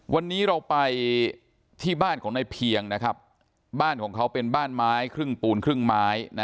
วันนี้เราไปที่บ้านของในเพียงนะครับบ้านของเขาเป็นบ้านไม้ครึ่งปูนครึ่งไม้นะ